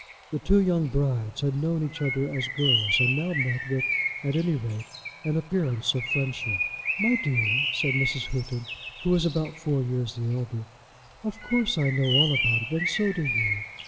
The two young brides had known each other as girls, and now met with, at any rate, an appearance of friendship. "My dear," said Mrs. Houghton, who was about four years the elder, "of course I know all about it, and so do you.